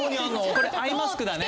これアイマスクだね。